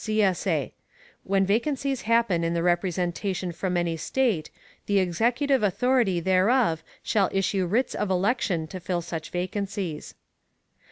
[CSA] When vacancies happen in the representation from any State, the Executive authority thereof shall issue writs of election to fill such vacancies.